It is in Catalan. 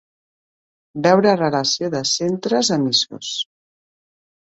Veure relació de centres emissors.